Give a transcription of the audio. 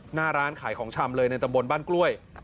หน้าร้านขายของชำเลยในตำบลบ้านกล้วย